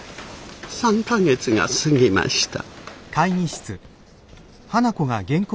３か月が過ぎました。